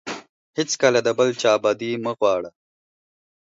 هیڅکله د بل چا بدي مه غواړه.